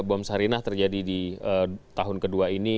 bom sarinah terjadi di tahun ke dua ini